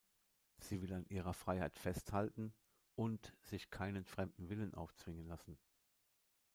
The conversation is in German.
Sie will an ihrer Freiheit festhalten und sich keinen fremden Willen aufzwingen lassen.